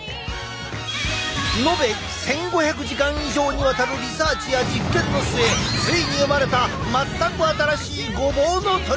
のべ１，５００時間以上にわたるリサーチや実験の末ついに生まれた全く新しいごぼうのトリセツ！